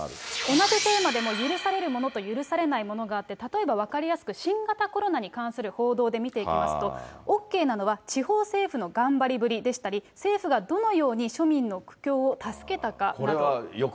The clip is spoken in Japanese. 同じテーマでも許されるものと許されないものがあって、例えば分かりやすく、新型コロナに関する報道で見ていきますと、ＯＫなのは地方政府の頑張りぶりでしたり、政府がどのように庶民の苦境を助けたかなど。